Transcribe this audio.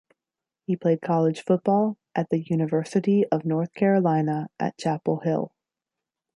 He played college football at the University of North Carolina at Chapel Hill.